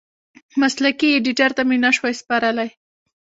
مسلکي ایډېټر ته مې نشوای سپارلی.